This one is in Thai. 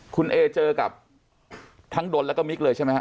คุณเอเจอกับทั้งดนแล้วก็มิกเลยใช่ไหมฮะ